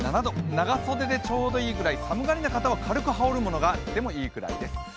長袖でちょうどいいくらい、寒がりの方は軽く羽織るものがあってもいいぐらいです。